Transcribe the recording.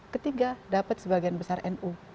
ketiga dapat sebagian besar nu